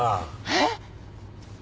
えっ？